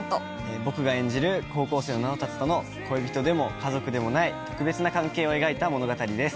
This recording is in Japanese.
僕が演じる高校生の直達との恋人でも家族でもない特別な関係を描いた物語です。